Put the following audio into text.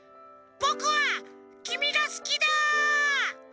「ぼくはきみがすきだ！」。